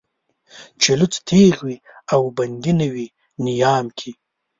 چې لوڅ تېغ وي او بندي نه وي نيام کې